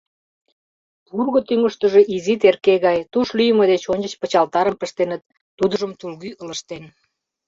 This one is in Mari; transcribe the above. Вурго тӱҥыштыжӧ изи терке гай, туш лӱйымӧ деч ончыч пычалтарым пыштеныт, тудыжым тулгӱ ылыжтен.